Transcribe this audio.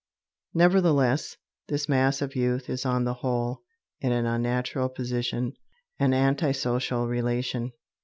Nevertheless, this mass of youth is on the whole in an unnatural position an antisocial relation.